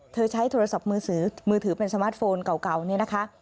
ใช้โทรศัพท์มือถือมือถือเป็นสมาร์ทโฟนเก่าเนี่ยนะคะ